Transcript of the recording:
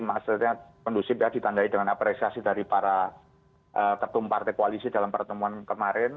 maksudnya kondusif ya ditandai dengan apresiasi dari para ketum partai koalisi dalam pertemuan kemarin